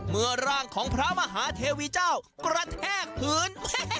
เมื่อร่างของพระมหาเทวีเจ้ากระแทกพื้น